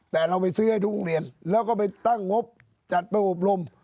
แต่เราไปซื้อให้ทุกโรงเรียนแล้วก็ไปตั้งงบจัดไปอบรม